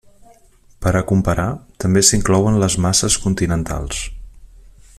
Per a comparar, també s'inclouen les masses continentals.